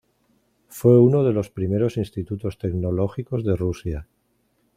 Fue uno de los primeros Institutos Tecnológicos de Rusia.